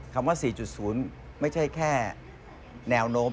คำว่า๔๐ไม่ใช่แค่แนวโน้ม